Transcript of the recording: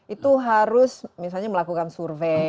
itu harus misalnya melakukan survei